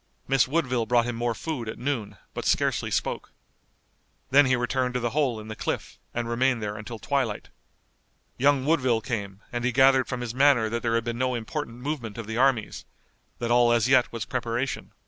Miss Woodville brought him more food at noon, but scarcely spoke. Then he returned to the hole in the cliff, and remained there until twilight. Young Woodville came, and he gathered from his manner that there had been no important movement of the armies, that all as yet was preparation.